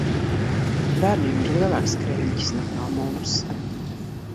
Bērniem ir lielāks kreņķis nekā mums.